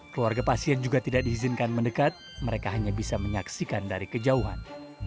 keluarga pasien juga tidak diizinkan mendekat mereka hanya bisa menyaksikan dari kejauhan